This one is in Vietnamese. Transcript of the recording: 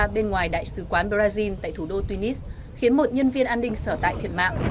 bên ngoài đại sứ quán brazil tại thủ đô tunis khiến một nhân viên an ninh sở tại thiệt mạng